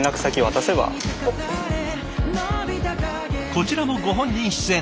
こちらもご本人出演。